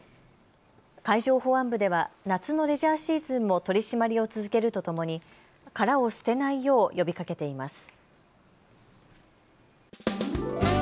海上保安部では夏のレジャーシーズンも取り締まりを続けるとともに殻を捨てないよう呼びかけています。